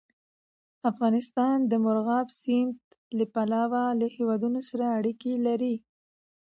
افغانستان د مورغاب سیند له پلوه له هېوادونو سره اړیکې لري.